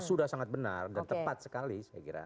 sudah sangat benar dan tepat sekali saya kira